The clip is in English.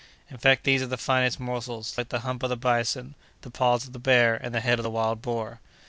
In fact, these are the finest morsels, like the hump of the bison, the paws of the bear, and the head of the wild boar.